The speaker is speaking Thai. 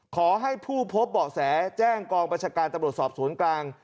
ขอให้ผู้พบเบาะแสแจ้งกองประชาการตำรวจสอบสวนกลาง